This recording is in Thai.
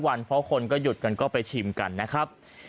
วันเพราะคนก็หยุดกันก็ไปชิมกันนะครับ